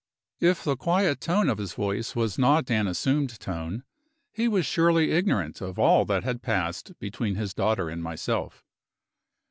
If the quiet tone of his voice was not an assumed tone, he was surely ignorant of all that had passed between his daughter and myself.